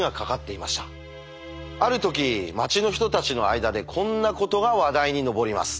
ある時町の人たちの間でこんなことが話題に上ります。